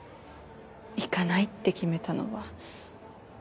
行かないって決めたのは私だから。